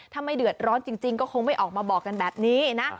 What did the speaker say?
ถ้าไม่เดือดร้อนจริงก็คงไม่ออกมาบอกกันแบบนี้นะ